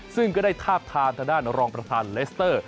ซึ่งก็ได้ทาบทามทางด้านรองประธานเลสเตอร์